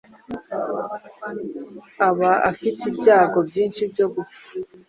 aba afite ibyago byinshi byo gupfa